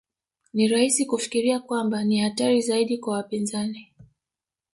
Ni rahisi kufikiria kwamba ni hatari zaidi kwa wapinzani